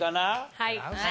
はい。